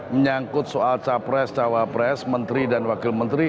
menyangkut soal capres cawapres menteri dan wakil menteri